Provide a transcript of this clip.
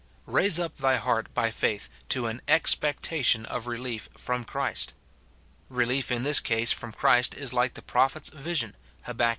Raise up thy heart by faith to an expectation of relief from Christ. Relief in this case from Christ is like the prophet's vision, Ilab. ii.